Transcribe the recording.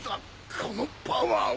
このパワーは